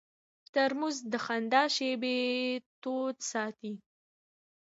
ترموز د خندا شېبې تود ساتي.